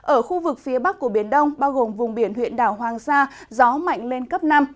ở khu vực phía bắc của biển đông bao gồm vùng biển huyện đảo hoàng sa gió mạnh lên cấp năm